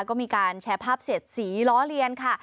ก็มีการแชร์ภาพเสียดสีล้อเลียนค่ะ